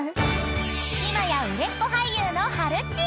［今や売れっ子俳優のはるっち］